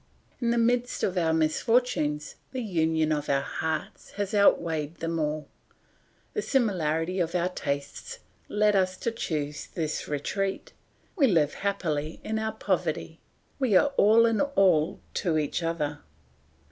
In the midst of our misfortunes, the union of our hearts has outweighed them all; the similarity of our tastes led us to choose this retreat; we live happily in our poverty, we are all in all to each other.